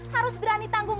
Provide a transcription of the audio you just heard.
harus berani tanggung